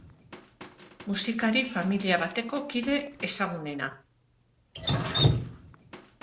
Musikari familia bateko kide ezagunena.